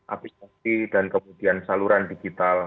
aplikasi dan kemudian saluran digital